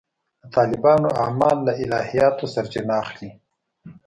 د طالبانو اعمال له الهیاتو سرچینه اخلي.